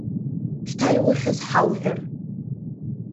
Шьҭа иухьыз ҳауҳәар!